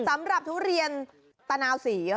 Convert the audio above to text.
สำหรับทุเรียนตาหนาวสี